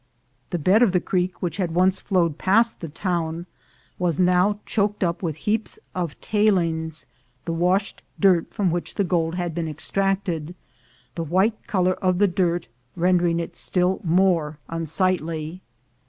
The bed of the creek, which had once flowed past the town, was now choked up with heaps of "tailings" — the washed dirt from which the gold has been extracted — the white color of the dirt rendering it still more unsightly.